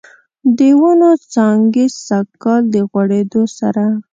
د ونوو څانګې سږکال، د غوړیدو سره